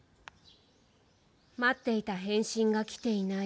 待っていた返信が来ていない